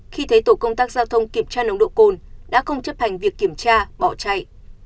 khi thấy tổ công tác giao thông kiểm tra nồng độ cồn đã không chấp hành việc kiểm tra bỏ chạy